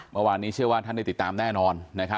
เมื่อวานนี้เชื่อว่าท่านได้ติดตามแน่นอน